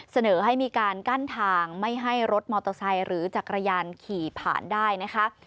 เสนอให้มีการกั้นทางไม่ให้รถมอเตอร์ไซค์หรือจักรยานขี่ผ่านได้นะคะ